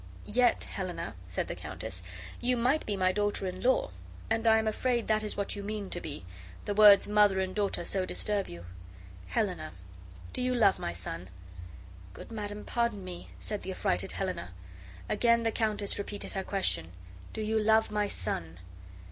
"Yet, Helena," said the countess, "you might be my daughter in law; and I am afraid that is what you mean to be, the words MOTHER and DAUGHTER so disturb you. Helena, do you love my son?" "Good madam, pardon me," said the affrighted Helena. Again the countess repeated her question. "Do you love my son?"